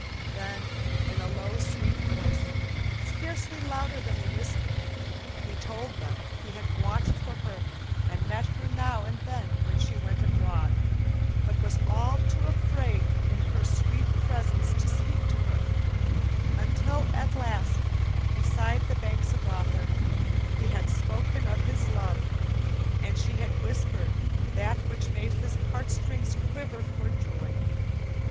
Then, in a low, sweet voice, scarcely louder than a whisper, he told how he had watched for her and met her now and then when she went abroad, but was all too afraid in her sweet presence to speak to her, until at last, beside the banks of Rother, he had spoken of his love, and she had whispered that which had made his heartstrings quiver for joy.